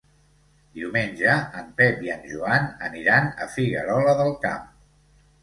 Diumenge en Pep i en Joan aniran a Figuerola del Camp.